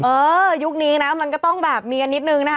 ยุคนี้นะมันก็ต้องแบบมีกันนิดนึงนะคะ